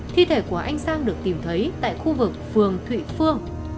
thi thể của anh sang được tìm thấy tại khu vực phường thụy phương